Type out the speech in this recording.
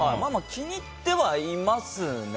気に入ってはいますね。